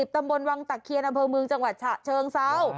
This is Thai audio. ตำบลวังตะเคียนอำเภอเมืองจังหวัดฉะเชิงเซา